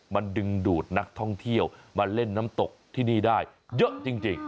มันดึงดูดนักท่องเที่ยวมาเล่นน้ำตกที่นี่ได้เยอะจริง